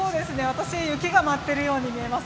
私、雪が舞っているように見えます